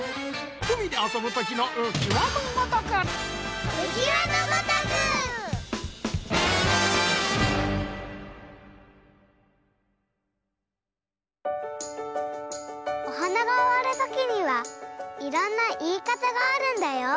うみであそぶときのおはながおわるときにはいろんないいかたがあるんだよ。